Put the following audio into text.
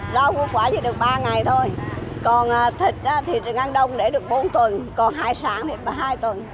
rau hút quả chỉ được ba ngày thôi còn thịt thì ngăn đông để được bốn tuần còn hải sản thì hai tuần